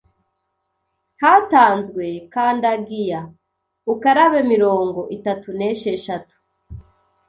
hatanzwe kandagia ukarabe mirongo itatu nesheshatu